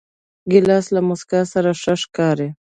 ګیلاس له موسکا سره ښه ښکاري.